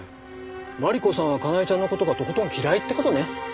万里子さんはかなえちゃんの事がとことん嫌いって事ね。